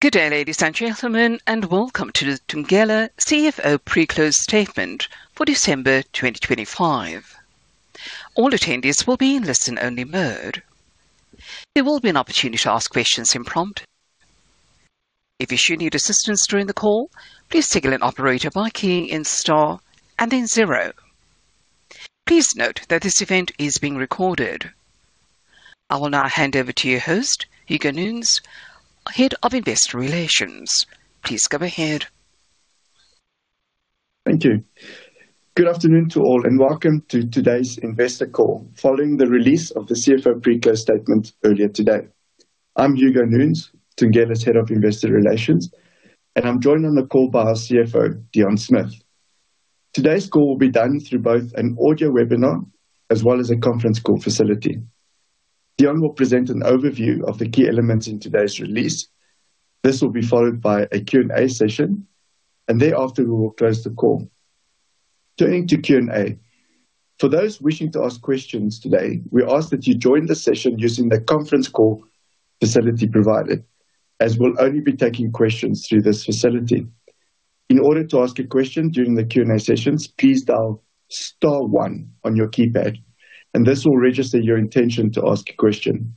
Good day, ladies and gentlemen, and welcome to the Thungela CFO Pre-Close Statement for December 2025. All attendees will be in listen-only mode. There will be an opportunity to ask questions impromptu. If you should need assistance during the call, please signal an operator by keying in star and then 0. Please note that this event is being recorded. I will now hand over to your host, Hugo Nunes, Head of Investor Relations. Please go ahead. Thank you. Good afternoon to all, and welcome to today's investor call following the release of the CFO Pre-close statement earlier today. I'm Hugo Nunes, Thungela's Head of Investor Relations, and I'm joined on the call by our CFO, Deon Smith. Today's call will be done through both an audio webinar as well as a conference call facility. Deon will present an overview of the key elements in today's release. This will be followed by a Q&A session, and thereafter we will close the call. Turning to Q&A, for those wishing to ask questions today, we ask that you join the session using the conference call facility provided, as we'll only be taking questions through this facility. In order to ask a question during the Q&A sessions, please dial star one on your keypad, and this will register your intention to ask a question.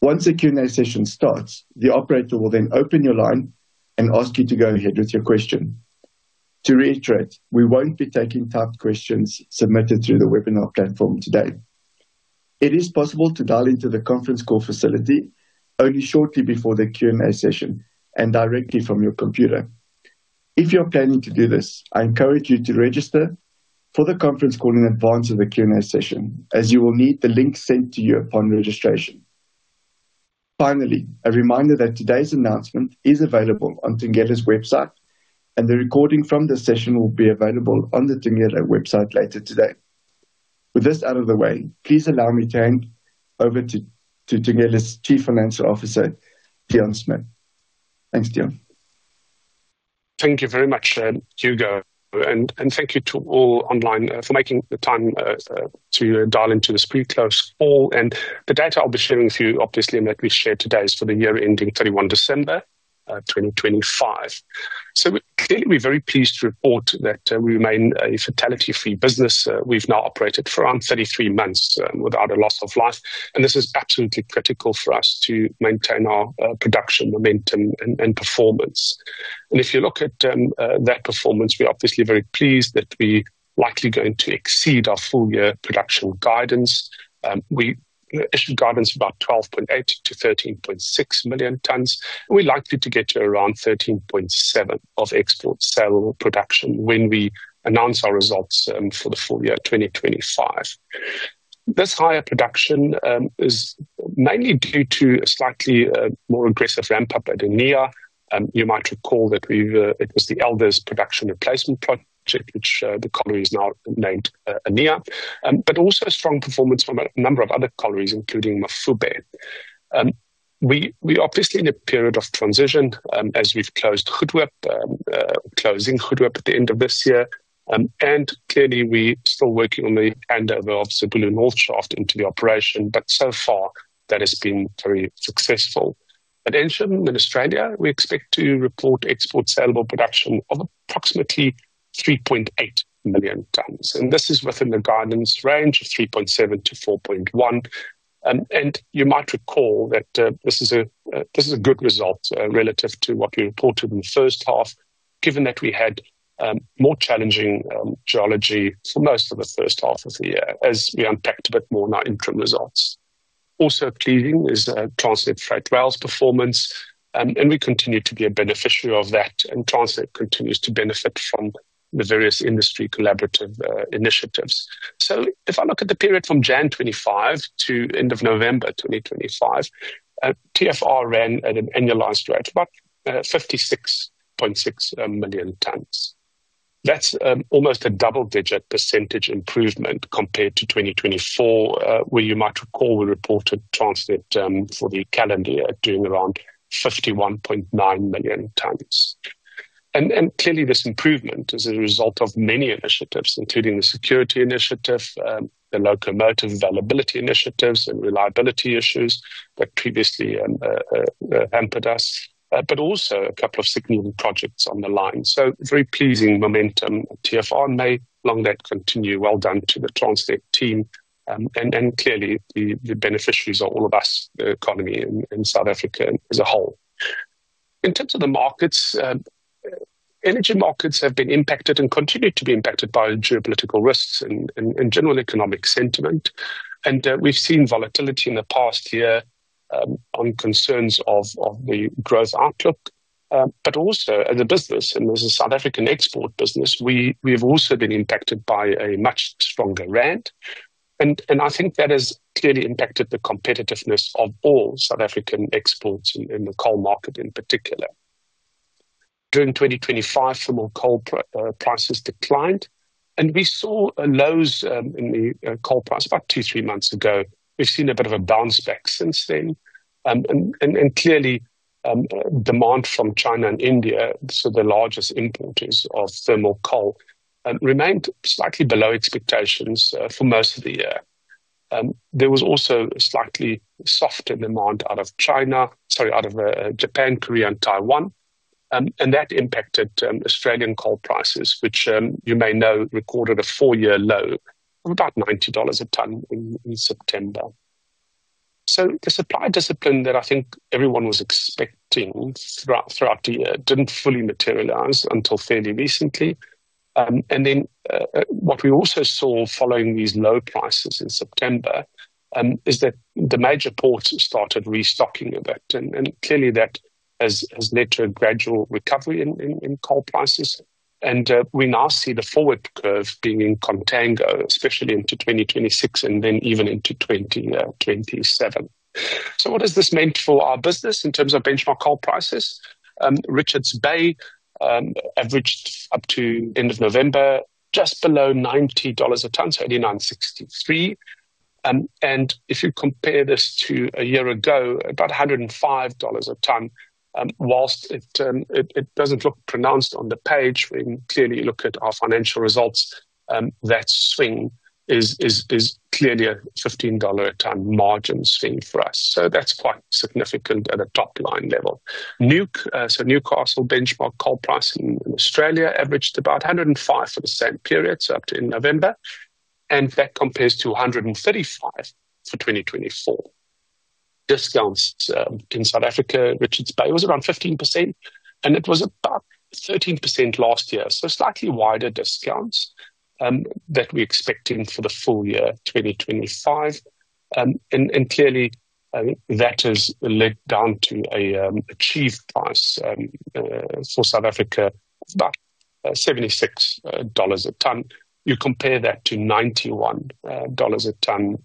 Once the Q&A session starts, the operator will then open your line and ask you to go ahead with your question. To reiterate, we won't be taking typed questions submitted through the webinar platform today. It is possible to dial into the conference call facility only shortly before the Q&A session and directly from your computer. If you are planning to do this, I encourage you to register for the conference call in advance of the Q&A session, as you will need the link sent to you upon registration. Finally, a reminder that today's announcement is available on Thungela's website, and the recording from this session will be available on the Thungela website later today. With this out of the way, please allow me to hand over to Thungela's Chief Financial Officer, Deon Smith. Thanks, Deon. Thank you very much, Hugo, and thank you to all online for making the time to dial into this pre-close call. And the data I'll be sharing with you, obviously, and that we shared today is for the year ending 31 December 2025. So clearly, we're very pleased to report that we remain a fatality-free business. We've now operated for around 33 months without a loss of life, and this is absolutely critical for us to maintain our production momentum and performance. And if you look at that performance, we're obviously very pleased that we're likely going to exceed our full-year production guidance. We issued guidance about 12.8-13.6 million tons, and we're likely to get to around 13.7 million tons of export saleable production when we announce our results for the full year 2025. This higher production is mainly due to a slightly more aggressive ramp-up at Annea. You might recall that it was the Elders Production Replacement Project, which the colliery is now named Annea, but also strong performance from a number of other collieries, including Mafube. We're obviously in a period of transition as we've closed Goedehoop, closing Goedehoop at the end of this year, and clearly, we're still working on the handover of Zibulo North Shaft into the operation, but so far that has been very successful. At Ensham in Australia, we expect to report export saleable production of approximately 3.8 million tons, and this is within the guidance range of 3.7 to 4.1, and you might recall that this is a good result relative to what we reported in the first half, given that we had more challenging geology for most of the first half of the year, as we unpacked a bit more in our interim results. Also pleasing is Transnet Freight Rail's performance, and we continue to be a beneficiary of that, and Transnet continues to benefit from the various industry collaborative initiatives, so if I look at the period from January 25 to end of November 2025, TFR ran at an annualized rate of about 56.6 million tons. That's almost a double-digit percentage improvement compared to 2024, where you might recall we reported Transnet for the calendar year doing around 51.9 million tons, and clearly, this improvement is a result of many initiatives, including the security initiative, the locomotive availability initiatives, and reliability issues that previously hampered us, but also a couple of significant projects on the line, so very pleasing momentum TFR may, along that, continue, well done to the Transnet team, and clearly, the beneficiaries are all of us, the economy in South Africa as a whole. In terms of the markets, energy markets have been impacted and continue to be impacted by geopolitical risks and general economic sentiment, and we've seen volatility in the past year on concerns of the growth outlook, but also as a business, and as a South African export business, we have also been impacted by a much stronger Rand, and I think that has clearly impacted the competitiveness of all South African exports in the coal market in particular. During 2025, thermal coal prices declined, and we saw lows in the coal price about two, three months ago. We've seen a bit of a bounce back since then, and clearly, demand from China and India, so the largest importers of thermal coal, remained slightly below expectations for most of the year. There was also a slightly softer demand out of China, sorry, out of Japan, Korea, and Taiwan, and that impacted Australian coal prices, which you may know recorded a four-year low of about $90 a tonne in September. So the supply discipline that I think everyone was expecting throughout the year didn't fully materialize until fairly recently. And then what we also saw following these low prices in September is that the major ports started restocking a bit, and clearly, that has led to a gradual recovery in coal prices, and we now see the forward curve being in contango, especially into 2026 and then even into 2027. So what has this meant for our business in terms of benchmark coal prices? Richards Bay averaged up to end of November just below $90 a tonne, so $89.63, and if you compare this to a year ago, about $105 a tonne, while it doesn't look pronounced on the page, when clearly you look at our financial results, that swing is clearly a $15 a tonne margin swing for us. So that's quite significant at a top-line level. Newc, so Newcastle benchmark coal price in Australia averaged about $105 for the same period, so up to in November, and that compares to $135 for 2024. Discounts in South Africa, Richards Bay was around 15%, and it was about 13% last year, so slightly wider discounts that we're expecting for the full year 2025, and clearly, that has led down to an achieved price for South Africa of about $76 a tonne. You compare that to $91 a tonne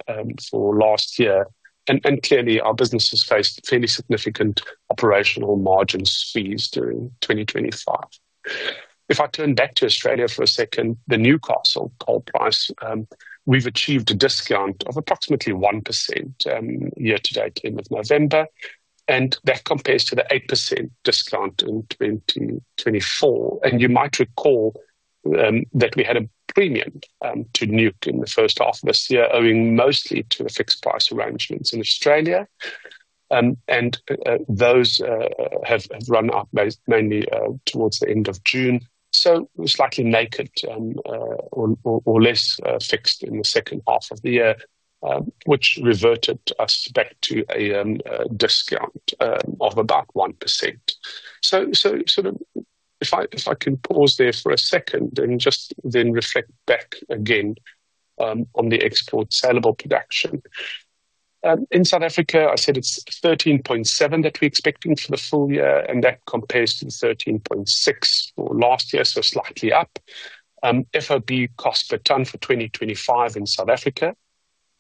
for last year, and clearly, our business has faced fairly significant operational margin fees during 2025. If I turn back to Australia for a second, the Newcastle coal price, we've achieved a discount of approximately 1% year to date, end of November, and that compares to the 8% discount in 2024 and you might recall that we had a premium to Newc in the first half of this year, owing mostly to the fixed price arrangements in Australia, and those have run out mainly towards the end of June, so slightly naked or less fixed in the second half of the year, which reverted us back to a discount of about 1%, so sort of if I can pause there for a second and just then reflect back again on the export saleable production. In South Africa, I said it's 13.7 that we're expecting for the full year, and that compares to 13.6 for last year, so slightly up. FOB cost per tonne for 2025 in South Africa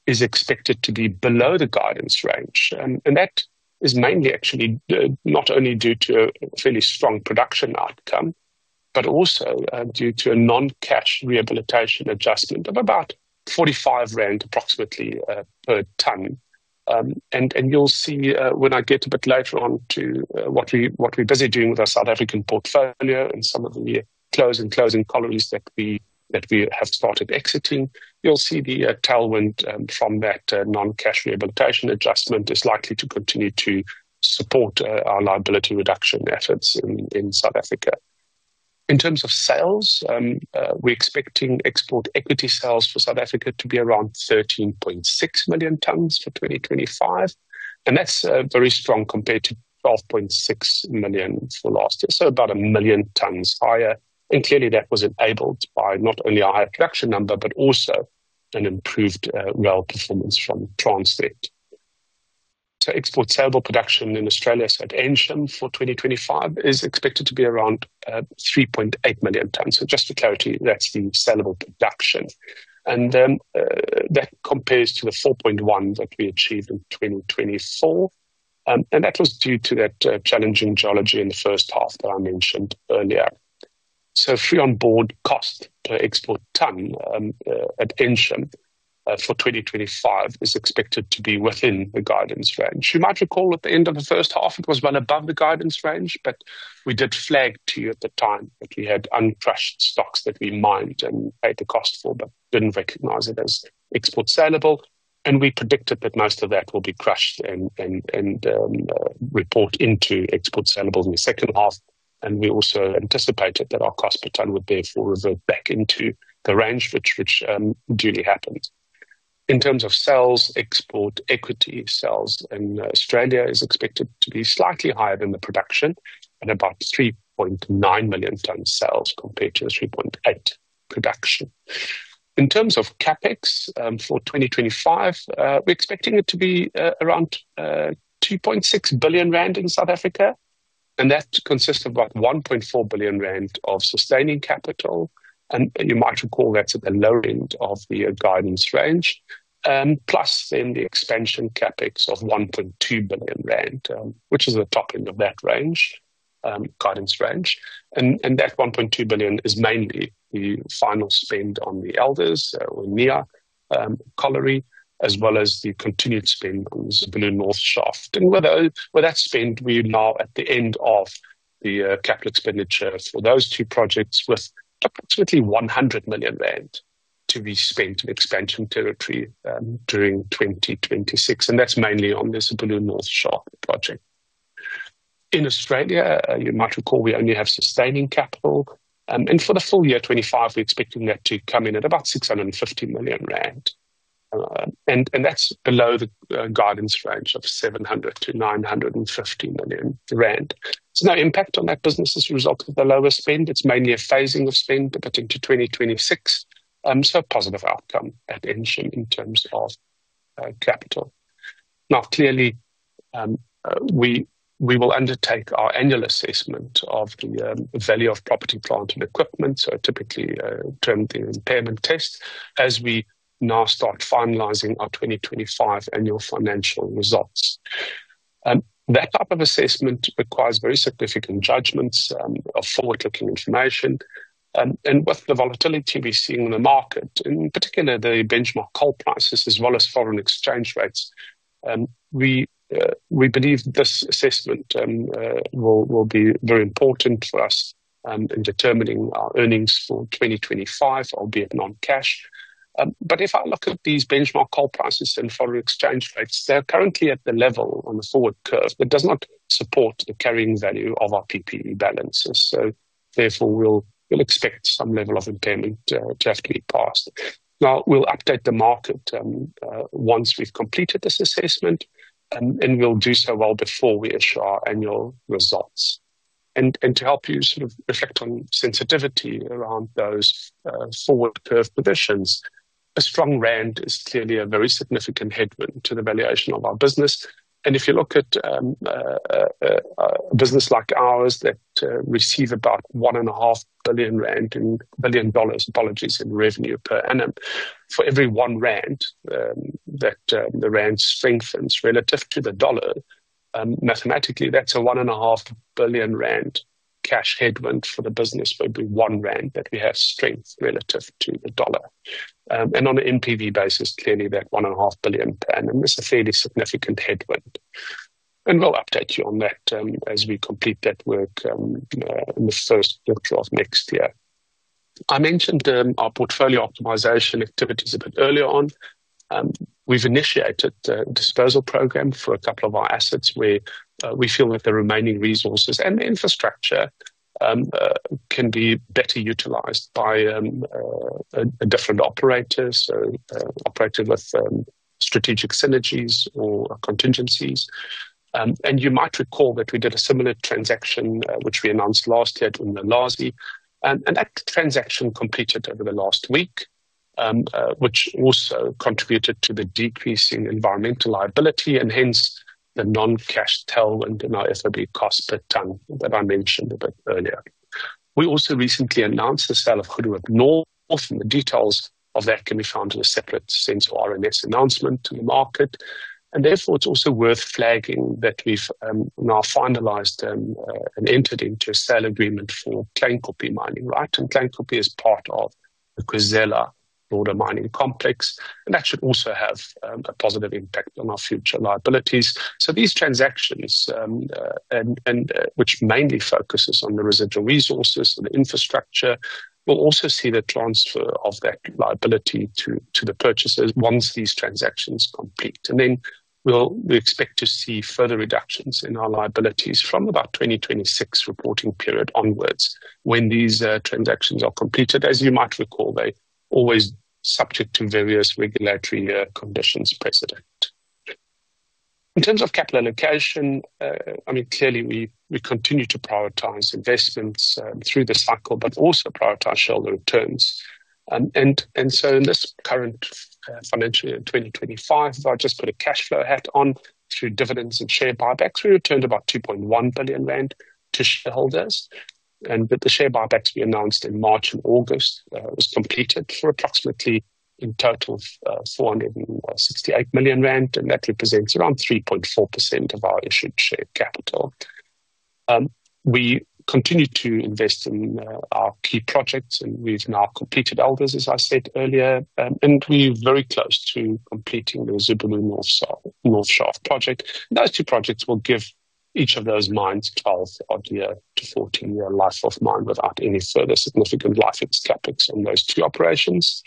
is expected to be below the guidance range, and that is mainly actually not only due to a fairly strong production outcome, but also due to a non-cash rehabilitation adjustment of about 45 rand approximately per tonne, and you'll see when I get a bit later on to what we're busy doing with our South African portfolio and some of the closing collieries that we have started exiting, you'll see the tailwind from that non-cash rehabilitation adjustment is likely to continue to support our liability reduction efforts in South Africa. In terms of sales, we're expecting export equity sales for South Africa to be around 13.6 million tonnes for 2025, and that's very strong compared to 12.6 million for last year, so about a million tonnes higher, and clearly, that was enabled by not only our production number, but also an improved rail performance from Transnet. So export saleable production in Australia at Ensham for 2025 is expected to be around 3.8 million tonnes, so just for clarity, that's the saleable production, and that compares to the 4.1 that we achieved in 2024, and that was due to that challenging geology in the first half that I mentioned earlier. So free on board cost per export tonne at Ensham for 2025 is expected to be within the guidance range. You might recall at the end of the first half, it was run above the guidance range, but we did flag to you at the time that we had uncrushed stocks that we mined and paid the cost for, but didn't recognize it as export saleable, and we predicted that most of that will be crushed and report into export saleable in the second half, and we also anticipated that our cost per tonne would therefore revert back into the range, which duly happened. In terms of sales, export equity sales in Australia is expected to be slightly higher than the production at about 3.9 million tonne sales compared to the 3.8 production. In terms of CapEx for 2025, we're expecting it to be around 2.6 billion rand in South Africa, and that consists of about 1.4 billion rand of sustaining capital, and you might recall that's at the low end of the guidance range, plus then the expansion CapEx of 1.2 billion rand, which is the top end of that guidance range, and that 1.2 billion is mainly the final spend on the Elders Annea Colliery, as well as the continued spend on Zibulo North Shaft, and with that spend, we're now at the end of the CapEx expenditure for those two projects with approximately 100 million rand to be spent in expansion territory during 2026, and that's mainly on the Zibulo North Shaft project. In Australia, you might recall we only have sustaining capital, and for the full year 2025, we're expecting that to come in at about 650 million rand, and that's below the guidance range of 700 million-950 million rand. There's no impact on that business as a result of the lower spend. It's mainly a phasing of spend to put into 2026, so a positive outcome at Ensham in terms of capital. Now, clearly, we will undertake our annual assessment of the value of property, plant and equipment, so typically termed the impairment test as we now start finalizing our 2025 annual financial results. That type of assessment requires very significant judgments of forward-looking information, and with the volatility we're seeing in the market, in particular the benchmark coal prices as well as foreign exchange rates, we believe this assessment will be very important for us in determining our earnings for 2025, albeit non-cash. But if I look at these benchmark coal prices and foreign exchange rates, they're currently at the level on the forward curve that does not support the carrying value of our PPE balances, so therefore we'll expect some level of impairment to have to be passed. Now, we'll update the market once we've completed this assessment, and we'll do so well before we issue our annual results. To help you sort of reflect on sensitivity around those forward curve positions, a strong rand is clearly a very significant headwind to the valuation of our business, and if you look at a business like ours that receives about 1.5 billion rand in billion dollars, apologies, in revenue per annum, for every one rand that the rand strengthens relative to the dollar, mathematically, that's a 1.5 billion rand cash headwind for the business for every one rand that we have strength relative to the dollar, and on an NPV basis, clearly that 1.5 billion per annum is a fairly significant headwind, and we'll update you on that as we complete that work in the first quarter of next year. I mentioned our portfolio optimization activities a bit earlier on. We've initiated a disposal program for a couple of our assets where we feel that the remaining resources and the infrastructure can be better utilized by different operators, so operating with strategic synergies or contingencies, and you might recall that we did a similar transaction which we announced last year during the LSE, and that transaction completed over the last week, which also contributed to the decreasing environmental liability and hence the non-cash tailwind in our FOB cost per tonne that I mentioned a bit earlier. We also recently announced the sale of Goedehoop, and the details of that can be found in a separate SENS announcement to the market, and therefore it's also worth flagging that we've now finalized and entered into a sale agreement for Kleinkopje mining right, and Kleinkopje is part of the Khwezela Bokgoni mining complex, and that should also have a positive impact on our future liabilities. So these transactions, which mainly focus on the residual resources and the infrastructure, we'll also see the transfer of that liability to the purchasers once these transactions complete, and then we expect to see further reductions in our liabilities from about 2026 reporting period onwards when these transactions are completed, as you might recall, they're always subject to various regulatory conditions precedent. In terms of capital allocation, I mean, clearly we continue to prioritize investments through the cycle, but also prioritize shareholder returns, and so in this current financial year 2025, if I just put a cash flow hat on through dividends and share buybacks, we returned about 2.1 billion rand to shareholders, and with the share buybacks we announced in March and August, it was completed for approximately in total 468 million rand, and that represents around 3.4% of our issued share capital. We continue to invest in our key projects, and we've now completed Elders, as I said earlier, and we're very close to completing the Zibulo North Shaft project. Those two projects will give each of those mines 12-odd-year to 14-year life of mine without any further significant life expectancy on those two operations,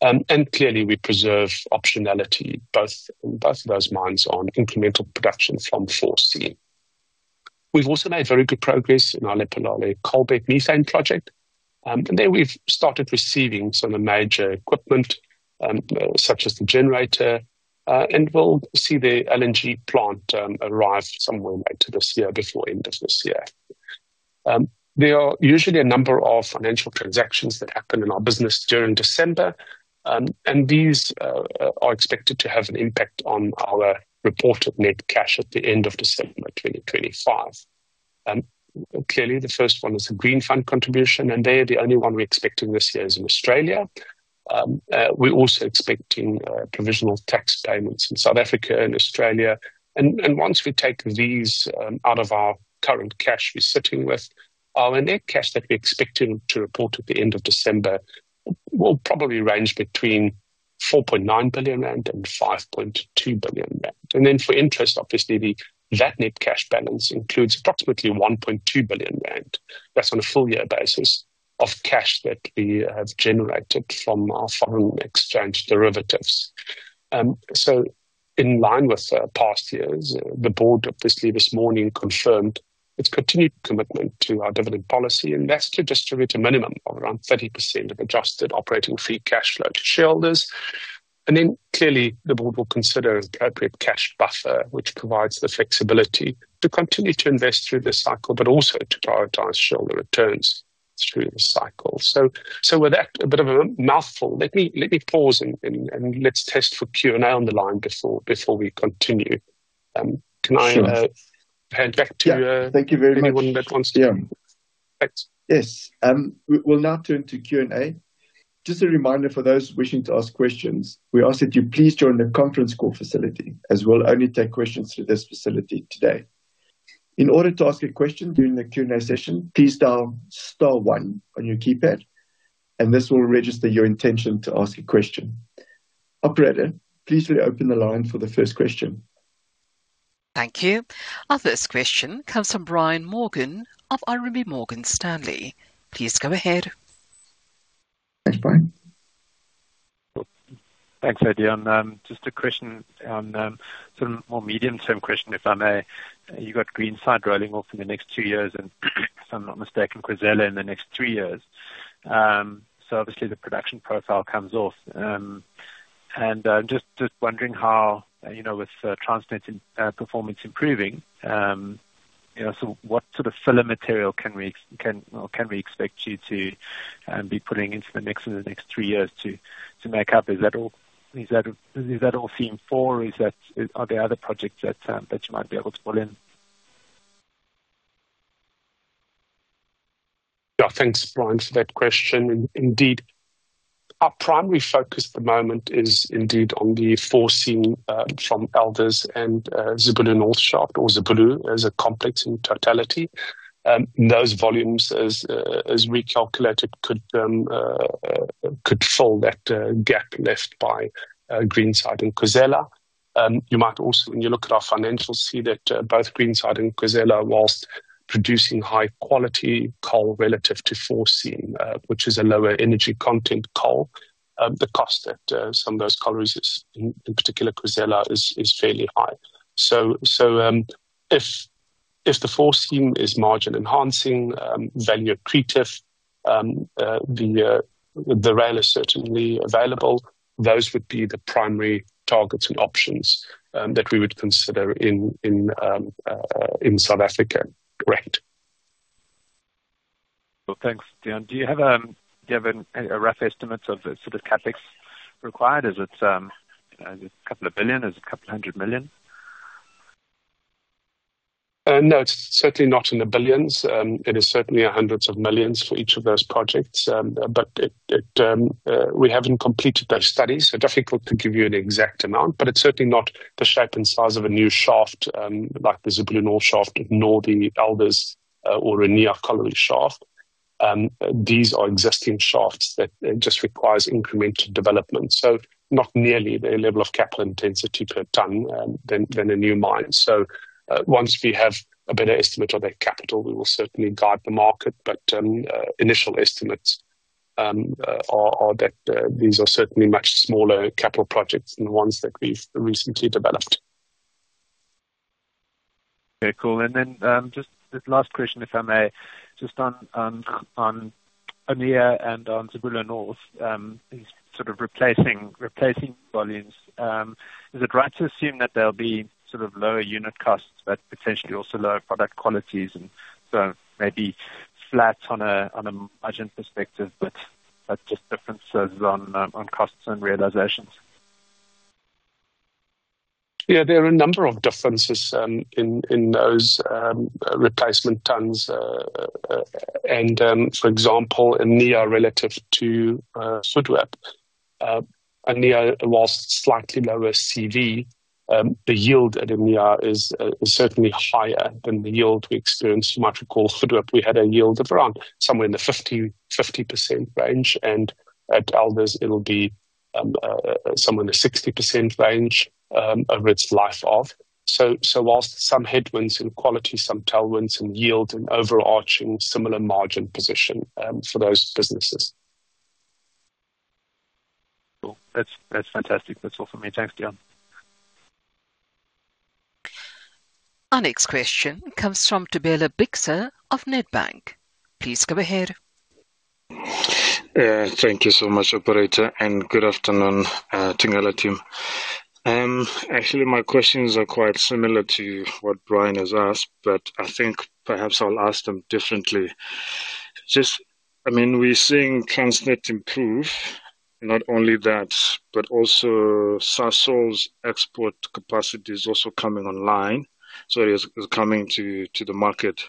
and clearly we preserve optionality both in both of those mines on incremental production from 4 Seam. We've also made very good progress in our Lephalale Coalbed Methane project, and there we've started receiving some of the major equipment such as the generator, and we'll see the LNG plant arrive somewhere later this year before the end of this year. There are usually a number of financial transactions that happen in our business during December, and these are expected to have an impact on our reported net cash at the end of December 2025. Clearly, the first one is a Green Fund contribution, and they are the only one we're expecting this year is in Australia. We're also expecting provisional tax payments in South Africa and Australia, and once we take these out of our current cash we're sitting with, our net cash that we're expecting to report at the end of December will probably range between 4.9 billion rand and 5.2 billion rand, and then for interest, obviously, that net cash balance includes approximately 1.2 billion rand, that's on a full year basis of cash that we have generated from our foreign exchange derivatives. In line with past years, the board obviously this morning confirmed its continued commitment to our dividend policy, and that's to distribute a minimum of around 30% of adjusted operating free cash flow to shareholders, and then clearly the board will consider an appropriate cash buffer, which provides the flexibility to continue to invest through the cycle, but also to prioritize shareholder returns through the cycle. So with that, a bit of a mouthful, let me pause and let's test for Q&A on the line before we continue. Can I hand back to you? Thank you very much. Yes. We'll now turn to Q&A. Just a reminder for those wishing to ask questions, we ask that you please join the conference call facility, as we'll only take questions through this facility today. In order to ask a question during the Q&A session, please dial star one on your keypad, and this will register your intention to ask a question. Operator, please reopen the line for the first question. Thank you. Our first question comes from Brian Morgan of RMB Morgan Stanley. Please go ahead. Thanks, Brian. Thanks, Hugo. Just a question, sort of more medium-term question, if I may. You've got Greenside rolling off in the next two years, and if I'm not mistaken, Khwezela in the next three years. So obviously, the production profile comes off, and I'm just wondering how, with Transnet's performance improving, what sort of filler material can we expect you to be putting into the mix in the next three years to make up? Is that all No. 4 Seam, or are there other projects that you might be able to pull in? Thanks, Brian, for that question. Indeed, our primary focus at the moment is indeed on the No. 4 Seam from Elders and Zibulo North Shaft, or Zibulo as a complex in totality. Those volumes, as recalculated, could fill that gap left by Greenside and Khwezela. You might also, when you look at our financials, see that both Greenside and Khwezela, while producing high-quality coal relative to foreseen, which is a lower energy content coal, the cost at some of those collieries, in particular Khwezela, is fairly high. So if the No. 4 Seam is margin enhancing, value accretive, the rail is certainly available, those would be the primary targets and options that we would consider in South Africa. Correct. Thanks, Deon. Do you have a rough estimate of sort of CapEx required? Is it a couple of billion? Is it a couple of hundred million? No, it's certainly not in the billions. It is certainly hundreds of millions for each of those projects, but we haven't completed those studies, so difficult to give you an exact amount, but it's certainly not the shape and size of a new shaft like the Zibulo North Shaft nor the Elders or Annea Colliery Shaft. These are existing shafts that just require incremental development, so not nearly the level of capital intensity per ton than a new mine. So once we have a better estimate of that capital, we will certainly guide the market, but initial estimates are that these are certainly much smaller capital projects than the ones that we've recently developed. Okay, cool. And then just the last question, if I may, just on Annea and on Zibulo North, sort of replacing volumes, is it right to assume that there'll be sort of lower unit costs, but potentially also lower product qualities and maybe flat on a margin perspective, but just differences on costs and realizations? Yeah, there are a number of differences in those replacement tonnes, and for example, Annea relative to Goedehoop. Annea, while slightly lower CV, the yield at Annea is certainly higher than the yield we experienced. You might recall Goedehoop, we had a yield of around somewhere in the 50% range, and at Elders, it'll be somewhere in the 60% range over its life of. So while some headwinds in quality, some tailwinds in yield, and overarching similar margin position for those businesses. That's fantastic. That's all for me. Thanks, Deon. Our next question comes from Thobela Bixa of Nedbank. Please go ahead. Thank you so much, Operator, and good afternoon, Thungela team. Actually, my questions are quite similar to what Brian has asked, but I think perhaps I'll ask them differently. Just, I mean, we're seeing Transnet improve, not only that, but also Sasol's export capacity is also coming online, so it is coming to the market.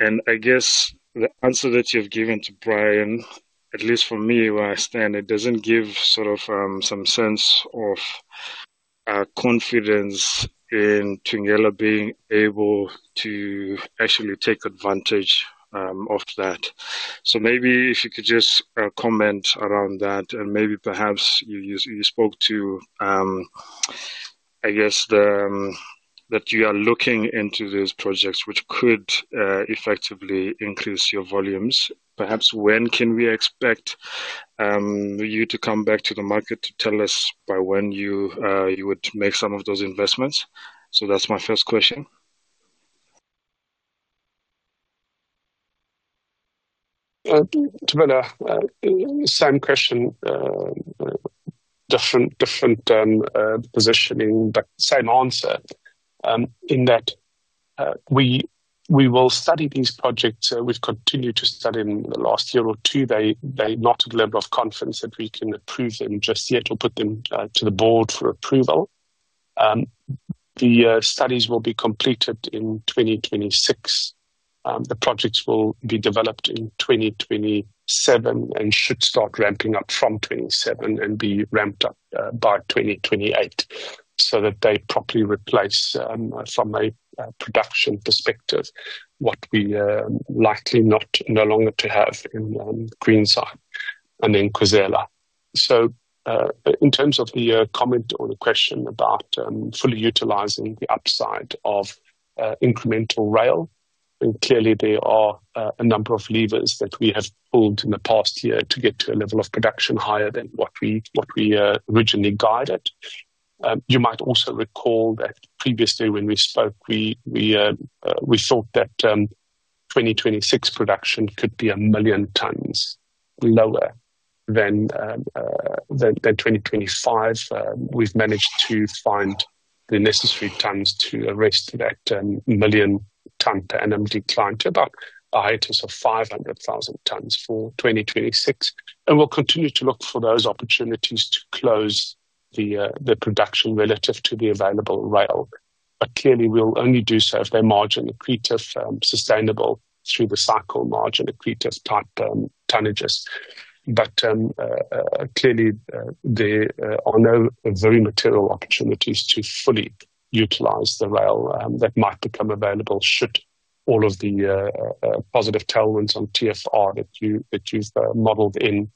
And I guess the answer that you've given to Brian, at least for me where I stand, it doesn't give sort of some sense of confidence in Thungela being able to actually take advantage of that. So maybe if you could just comment around that, and maybe perhaps you spoke to, I guess, that you are looking into those projects which could effectively increase your volumes. Perhaps when can we expect you to come back to the market to tell us by when you would make some of those investments? So that's my first question. Thobela, same question, different positioning, but same answer in that we will study these projects. We've continued to study them the last year or two. They're not at the level of confidence that we can approve them just yet or put them to the board for approval. The studies will be completed in 2026. The projects will be developed in 2027 and should start ramping up from 2027 and be ramped up by 2028 so that they properly replace, from a production perspective, what we likely no longer have in Greenside and in Khwezela. So in terms of the comment or the question about fully utilizing the upside of incremental rail, clearly there are a number of levers that we have pulled in the past year to get to a level of production higher than what we originally guided. You might also recall that previously when we spoke, we thought that 2026 production could be a million tonnes lower than 2025. We've managed to find the necessary tonnes to arrest that million tonne per annum decline to about a height of 500,000 tonnes for 2026, and we'll continue to look for those opportunities to close the production relative to the available rail. But clearly, we'll only do so if they're margin accretive, sustainable through the cycle margin accretive type tonnages. Clearly, there are no very material opportunities to fully utilize the rail that might become available should all of the positive tailwinds on TFR that you've modeled in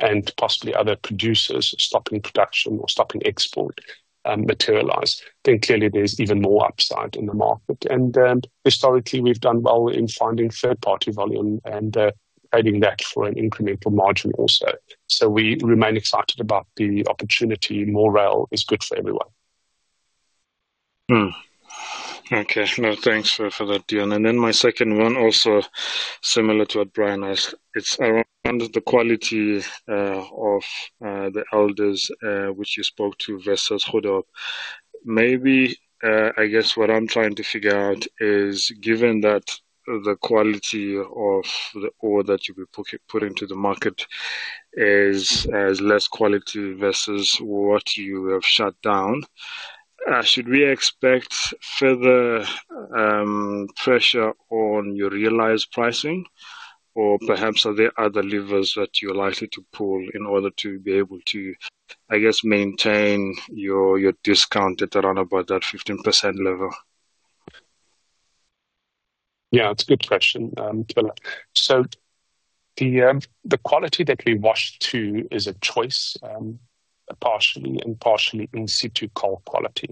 and possibly other producers stopping production or stopping export materialize. Then clearly, there's even more upside in the market, and historically, we've done well in finding third-party volume and trading that for an incremental margin also. So we remain excited about the opportunity. More rail is good for everyone. Okay. Now, thanks for that, Deon. Then my second one, also similar to what Brian asked, it's around the quality of the Elders which you spoke to versus Goedehoop. Maybe, I guess what I'm trying to figure out is, given that the quality of the coal that you've been putting to the market is less quality versus what you have shut down, should we expect further pressure on your realized pricing, or perhaps are there other levers that you're likely to pull in order to be able to, I guess, maintain your discount at around about that 15% level? Yeah, it's a good question, Thobela, so the quality that we wash to is a choice, partially and partially in-situ coal quality.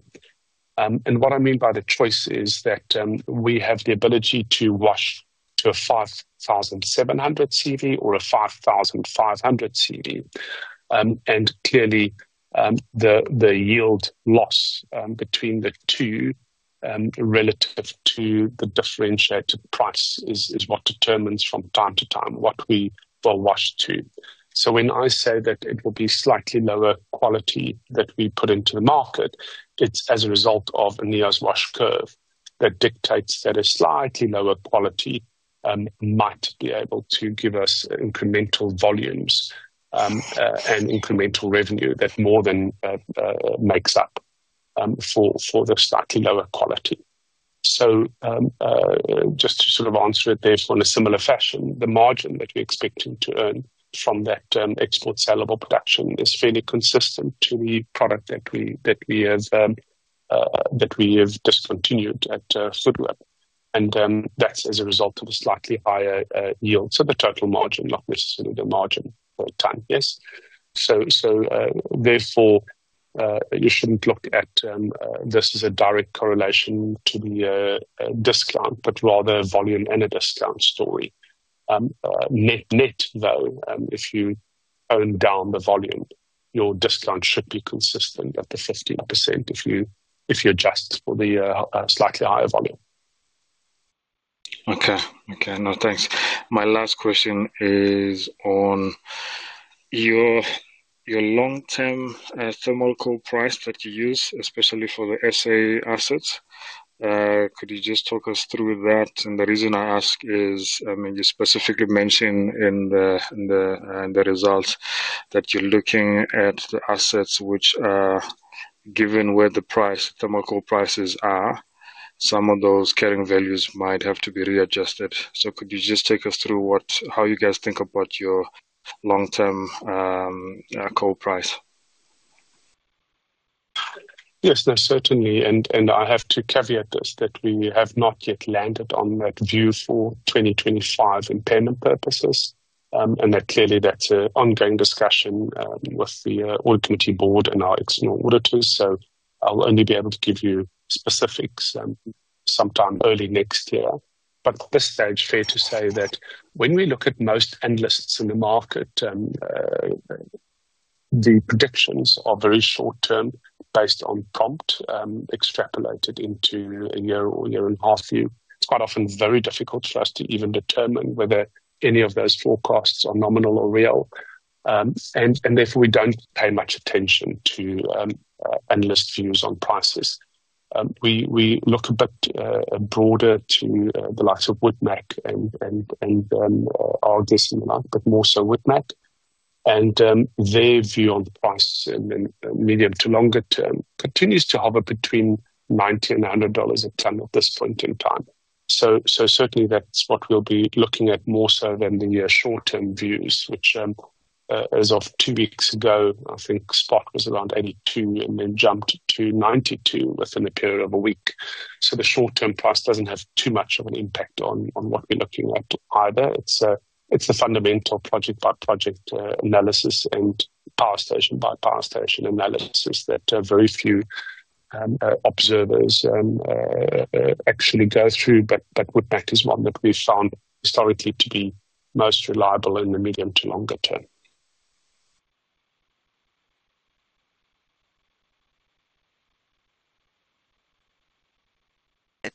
And what I mean by the choice is that we have the ability to wash to a 5,700 CV or a 5,500 CV, and clearly, the yield loss between the two relative to the differentiated price is what determines from time to time what we will wash to. So when I say that it will be slightly lower quality that we put into the market, it's as a result of Annea's wash curve that dictates that a slightly lower quality might be able to give us incremental volumes and incremental revenue that more than makes up for the slightly lower quality. So just to sort of answer it therefore in a similar fashion, the margin that we're expecting to earn from that export saleable production is fairly consistent to the product that we have discontinued at Goedehoop, and that's as a result of a slightly higher yield, so the total margin, not necessarily the margin per tonne, yes? So therefore, you shouldn't look at this as a direct correlation to the discount, but rather volume and a discount story. Next, though, if you run down the volume, your discount should be consistent at the 15% if you adjust for the slightly higher volume. Okay. Okay. No, thanks. My last question is on your long-term thermal coal price that you use, especially for the SA assets. Could you just talk us through that? And the reason I ask is, I mean, you specifically mentioned in the results that you're looking at the assets which, given where the thermal coal prices are, some of those carrying values might have to be readjusted. So could you just take us through how you guys think about your long-term coal price? Yes, certainly, and I have to caveat this that we have not yet landed on that view for 2025 impairment purposes, and that clearly that's an ongoing discussion with the audit committee and our external auditors. So I'll only be able to give you specifics sometime early next year. But at this stage, it's fair to say that when we look at most analysts in the market, the predictions are very short-term based on prompt extrapolated into a year or a year and a half view. It's quite often very difficult for us to even determine whether any of those forecasts are nominal or real, and therefore we don't pay much attention to analysts views on prices. We look a bit broader to the likes of Woodmac and Argus and the like, but more so Woodmac, and their view on the price in medium- to long-term continues to hover between $90-$100 a tonne at this point in time. So certainly, that's what we'll be looking at more so than the short-term views, which as of two weeks ago, I think spot was around $82 and then jumped to $92 within a period of a week. So the short-term price doesn't have too much of an impact on what we're looking at either. It's the fundamental project-by-project analysis and power station-by-power station analysis that very few observers actually go through, but Woodmac is one that we've found historically to be most reliable inthe medium to longer term.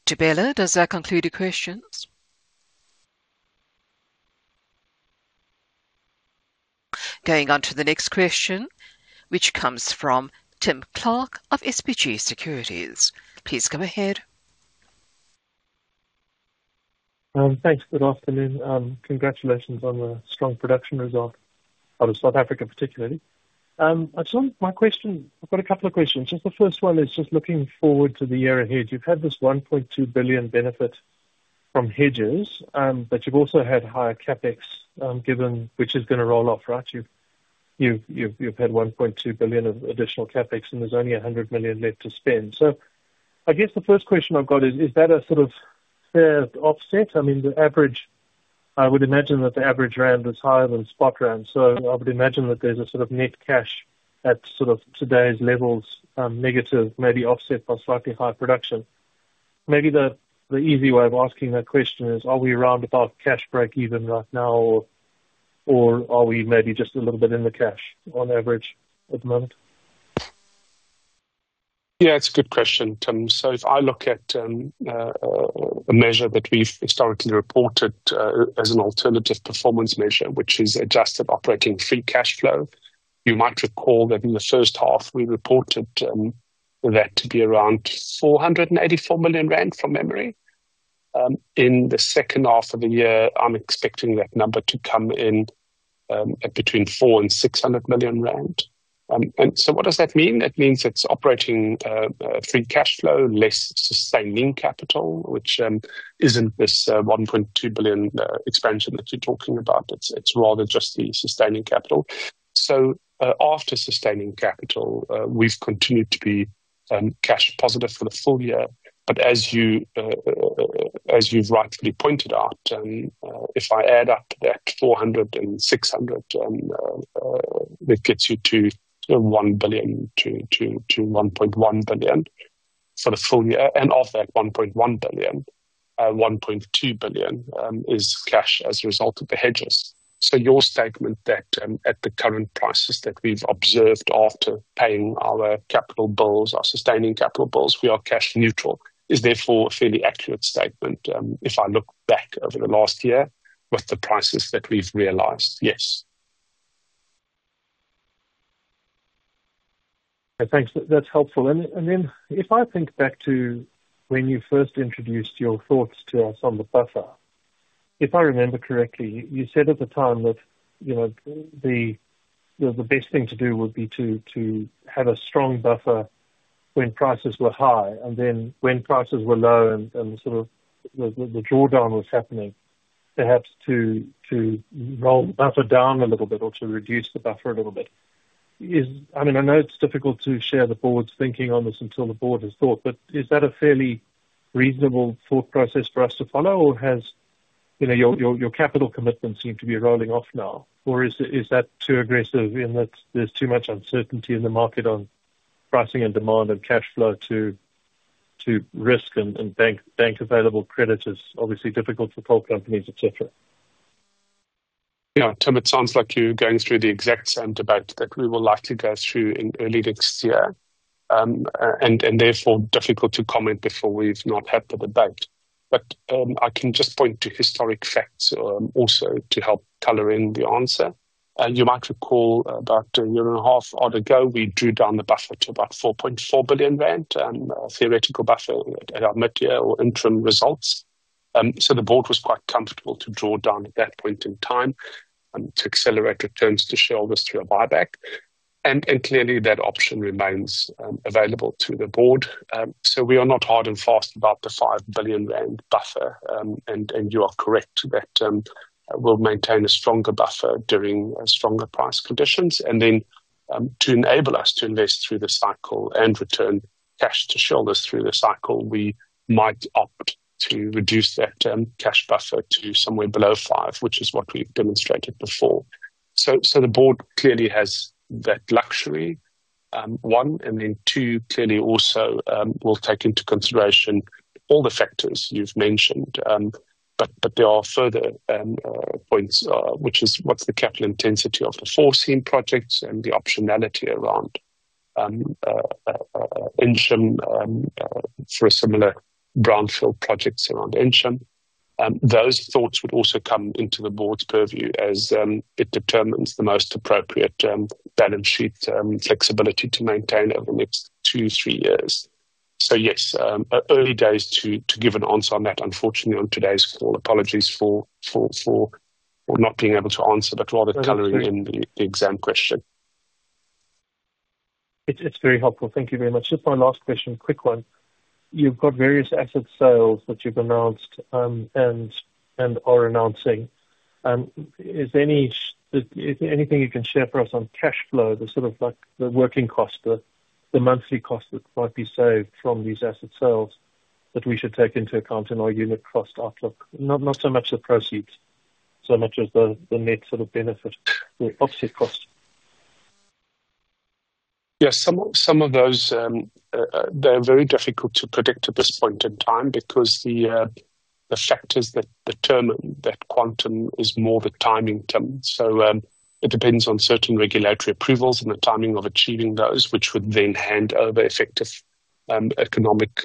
Thobela, does that conclude the questions? Going on to the next question, which comes from Tim Clark of SBG Securities. Please go ahead. Thanks. Good afternoon. Congratulations on the strong production result out of South Africa, particularly. I just want my question, I've got a couple of questions. Just the first one is just looking forward to the year ahead. You've had this $1.2 billion benefit from hedges, but you've also had higher CapEx, which is going to roll off, right? You've had $1.2 billion of additional CapEx, and there's only $100 million left to spend. So I guess the first question I've got is, is that a sort of fair offset? I mean, the average—I would imagine that the average round is higher than spot round, so I would imagine that there's a sort of net cash at sort of today's levels, negative, maybe offset by slightly higher production. Maybe the easy way of asking that question is, are we round about cash break even right now, or are we maybe just a little bit in the cash on average at the moment? Yeah, it's a good question, Tim. If I look at a measure that we've historically reported as an alternative performance measure, which is adjusted operating free cash flow, you might recall that in the first half, we reported that to be around 484 million rand from memory. In the second half of the year, I'm expecting that number to come in at between 400 million and 600 million rand. And so what does that mean? That means it's operating free cash flow, less sustaining capital, which isn't this 1.2 billion expansion that you're talking about. It's rather just the sustaining capital. After sustaining capital, we've continued to be cash positive for the full year, but as you've rightfully pointed out, if I add up that 400 and 600, that gets you to $1 billion-$1.1 billion for the full year, and of that $1.1 billion, $1.2 billion is cash as a result of the hedges. Your statement that at the current prices that we've observed after paying our capital bills, our sustaining capital bills, we are cash neutral, is therefore a fairly accurate statement if I look back over the last year with the prices that we've realized, yes. Thanks. That's helpful. And then if I think back to when you first introduced your thoughts to us on the buffer, if I remember correctly, you said at the time that the best thing to do would be to have a strong buffer when prices were high, and then when prices were low and sort of the drawdown was happening, perhaps to roll the buffer down a little bit or to reduce the buffer a little bit. I mean, I know it's difficult to share the board's thinking on this until the board has thought, but is that a fairly reasonable thought process for us to follow, or has your capital commitment seemed to be rolling off now, or is that too aggressive in that there's too much uncertainty in the market on pricing and demand and cash flow to risk and bank available creditors, obviously difficult for coal companies, etc.? Yeah, Tim, it sounds like you're going through the exact same debate that we will likely go through in early next year, and therefore difficult to comment before we've not had the debate. But I can just point to historic facts also to help color in the answer. You might recall about a year and a half or ago we drew down the buffer to about 4.4 billion rand, a theoretical buffer at our mid-year or interim results. So the board was quite comfortable to draw down at that point in time to accelerate returns to shareholders through a buyback. And clearly, that option remains available to the board. So we are not hard and fast about the 5 billion rand buffer, and you are correct that we'll maintain a stronger buffer during stronger price conditions. And then to enable us to invest through the cycle and return cash to shareholders through the cycle, we might opt to reduce that cash buffer to somewhere below five, which is what we've demonstrated before. So the board clearly has that luxury, one, and then two, clearly also will take into consideration all the factors you've mentioned, but there are further points, which is what's the capital intensity of the No. 4 Seam projects and the optionality around Ensham for a similar brownfield projects around Ensham. Those thoughts would also come into the board's purview as it determines the most appropriate balance sheet flexibility to maintain over the next two, three years. So yes, early days to give an answer on that, unfortunately, on today's call. Apologies for not being able to answer, but rather coloring in the exam question. It's very helpful. Thank you very much. Just my last question, quick one. You've got various asset sales that you've announced and are announcing. Is there anything you can share for us on cash flow, the sort of working cost, the monthly cost that might be saved from these asset sales that we should take into account in our unit cost outlook? Not so much the proceeds, so much as the net sort of benefit, the opposite cost. Yes, some of those, they're very difficult to predict at this point in time because the factors that determine that quantum is more the timing term. So it depends on certain regulatory approvals and the timing of achieving those, which would then hand over effective economic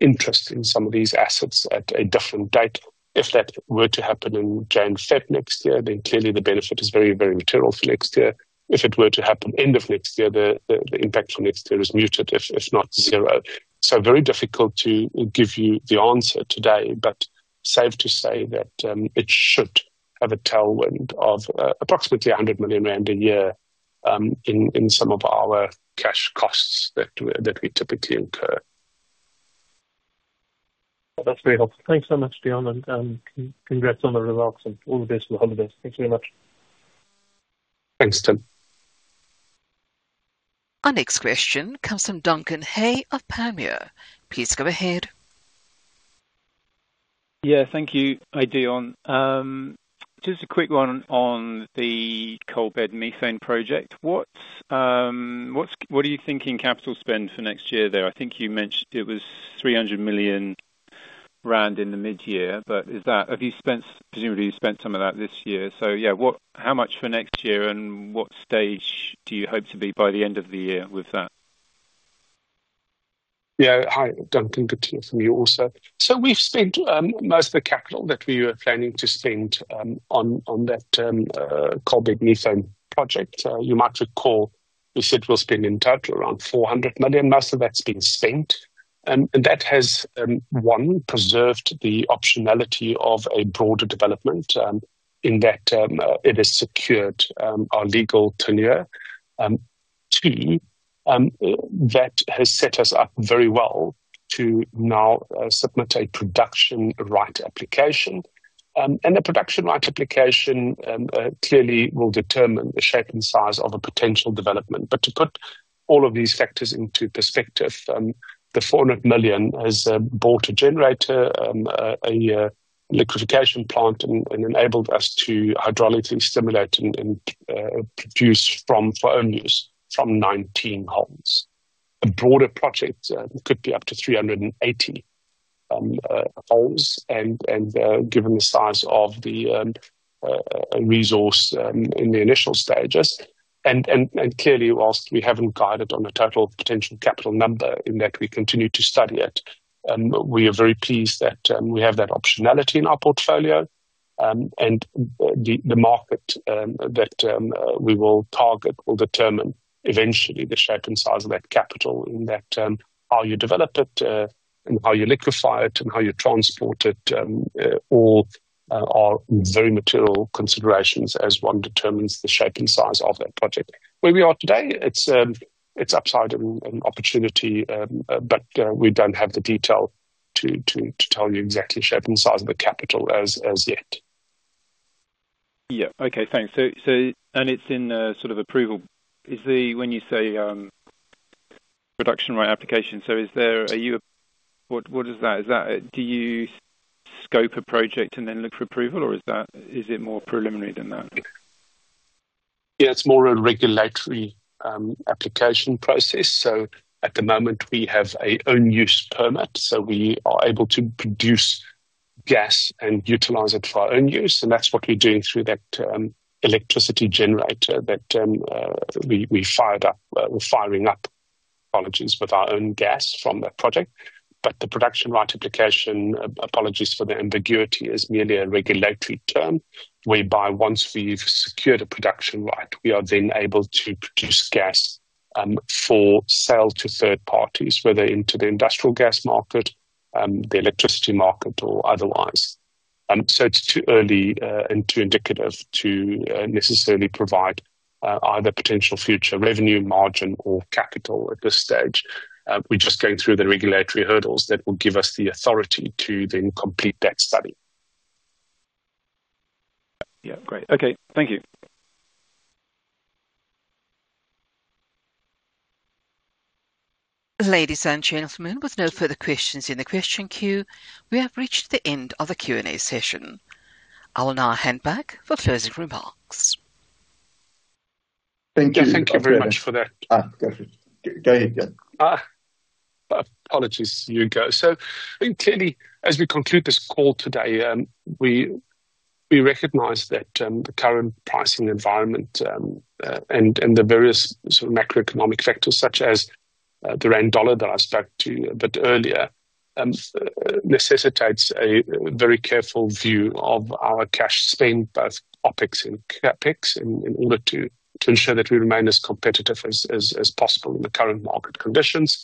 interest in some of these assets at a different date. If that were to happen in January and February next year, then clearly the benefit is very, very material for next year. If it were to happen end of next year, the impact for next year is muted, if not zero. So very difficult to give you the answer today, but safe to say that it should have a tailwind of approximately 100 million rand a year in some of our cash costs that we typically incur. That's very helpful. Thanks so much, Deon. And congrats on the results and all the best with the holidays. Thanks very much. Thanks, Tim. Our next question comes from Duncan Hay of Panmure. Please go ahead. Yeah, thank you, Deon. Just a quick one on the coalbed methane project. What are you thinking capital spend for next year there? I think you mentioned it was 300 million rand in the mid-year, but have you spent, presumably you spent some of that this year? So yeah, how much for next year and what stage do you hope to be by the end of the year with that? Yeah, hi, Duncan. Good to hear from you also. So we've spent most of the capital that we were planning to spend on that coalbed methane project. You might recall we said we'll spend in total around 400 million. Most of that's been spent, and that has, one, preserved the optionality of a broader development in that it has secured our legal tenure. Two, that has set us up very well to now submit a production right application. And the production right application clearly will determine the shape and size of a potential development. To put all of these factors into perspective, the 400 million has bought a generator, a liquefaction plant, and enabled us to hydraulically stimulate and produce from own use from 19 holes. A broader project could be up to 380 holes, given the size of the resource in the initial stages. Clearly, while we haven't guided on the total potential capital number, in that we continue to study it, we are very pleased that we have that optionality in our portfolio. The market that we will target will determine eventually the shape and size of that capital, in that how you develop it and how you liquefy it and how you transport it all are very material considerations as one determines the shape and size of that project. Where we are today, it's upside and opportunity, but we don't have the detail to tell you exactly shape and size of the capital as yet. Yeah, okay, thanks. So. And it's in sort of approval. Is the, when you say production right application, so is there a, what is that? Do you scope a project and then look for approval, or is it more preliminary than that? Yeah, it's more a regulatory application process. So at the moment, we have a own use permit, so we are able to produce gas and utilize it for our own use. And that's what we're doing through that electricity generator that we fired up. We're firing up, apologies, with our own gas from that project. But the production right application, apologies for the ambiguity, is merely a regulatory term whereby once we've secured a production right, we are then able to produce gas for sale to third parties, whether into the industrial gas market, the electricity market, or otherwise. So it's too early and too indicative to necessarily provide either potential future revenue margin or capital at this stage. We're just going through the regulatory hurdles that will give us the authority to then complete that study. Yeah, great. Okay, thank you. Ladies and gentlemen, with no further questions in the question queue, we have reached the end of the Q&A session. I will now hand back for closing remarks. Thank you very much for that. Go ahead. Apologies, you go. So clearly, as we conclude this call today, we recognize that the current pricing environment and the various sort of macroeconomic factors, such as the rand dollar that I spoke to a bit earlier, necessitates a very careful view of our cash spend, both OpEx and CapEx, in order to ensure that we remain as competitive as possible in the current market conditions.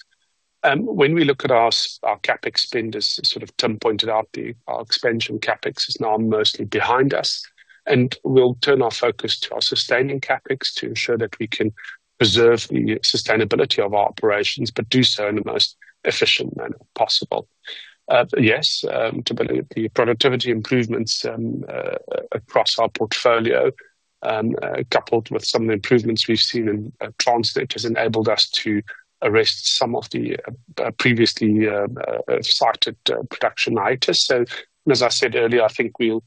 When we look at our CapEx spend, as sort of Tim pointed out, our expansion CapEx is now mostly behind us. And we'll turn our focus to our sustaining CapEx to ensure that we can preserve the sustainability of our operations, but do so in the most efficient manner possible. Yes, we believe the productivity improvements across our portfolio, coupled with some of the improvements we've seen in Transnet, has enabled us to arrest some of the previously cited production hiatus. As I said earlier, I think we'll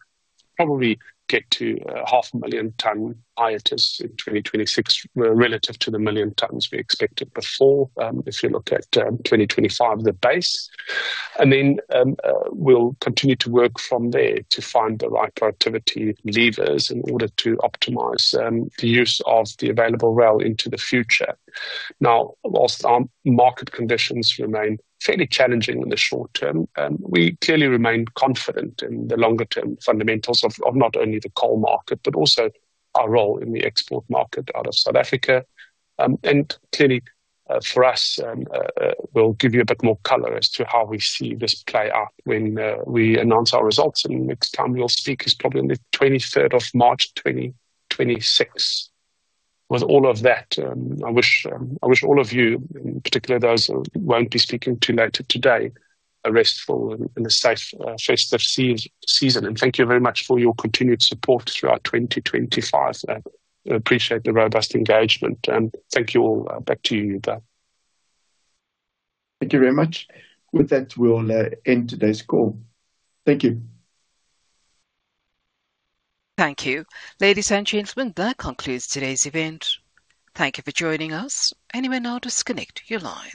probably get to a 500,000-ton hiatus in 2026 relative to the 1 million tons we expected before, if you look at 2025, the base. And then we'll continue to work from there to find the right productivity levers in order to optimize the use of the available rail into the future. Now, while our market conditions remain fairly challenging in the short term, we clearly remain confident in the longer-term fundamentals of not only the coal market, but also our role in the export market out of South Africa. And clearly, for us, we'll give you a bit more color as to how we see this play out when we announce our results. And next time we'll speak is probably on the 23rd of March 2026. With all of that, I wish all of you, in particular those who won't be speaking to later today, a restful and a safe festive season. Thank you very much for your continued support throughout 2025. I appreciate the robust engagement. Thank you all. Back to you, Hugo. Thank you very much. With that, we'll end today's call. Thank you. Thank you. Ladies and gentlemen, that concludes today's event. Thank you for joining us. Anyway, now disconnect your lines.